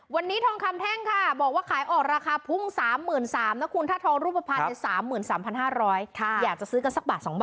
วันนี้ทองคำแท่งบอกว่าขายออกราคาพุง๓๓๐๐๐